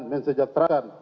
kami tidak keberanian